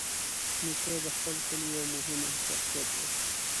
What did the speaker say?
نیکه د خپل کلي یوه مهمه شخصیت دی.